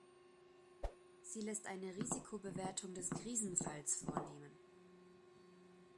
Sie lässt eine Risikobewertung des Krisenfalls vornehmen.